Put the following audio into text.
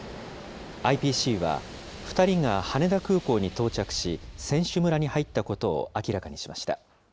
ＩＰＣは、２人が羽田空港に到着し、選手村に入ったことを明らかにしました。